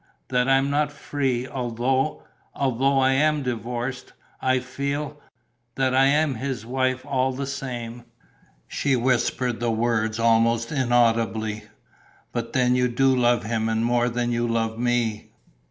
"That I am not free, although ... although I am divorced. I feel ... that I am his wife all the same." She whispered the words almost inaudibly. "But then you do love him and more than you love me."